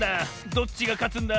どっちがかつんだ？